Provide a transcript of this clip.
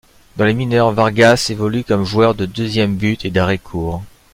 Dans les mineures, Vargas évolue comme joueur de deuxième but et d'arrêt-court.